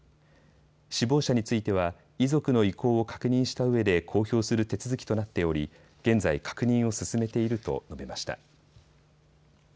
死亡者については遺族の意向を確認したうえで公表する手続きとなっており現在、確認を進めていると述べました。